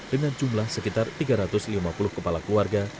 dengan jumlah sekitar tiga ratus lima puluh kepala keluarga